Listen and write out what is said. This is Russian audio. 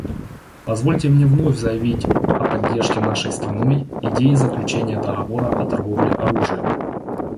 Позвольте мне вновь заявить о поддержке нашей страной идеи заключения договора о торговле оружием.